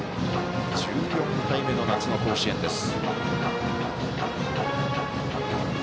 １４回目の夏の甲子園です。